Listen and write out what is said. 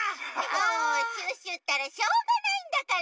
もうシュッシュったらしょうがないんだから。